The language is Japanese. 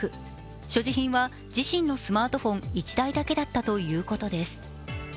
所持品は自身のスマートフォン１台だけだったということです。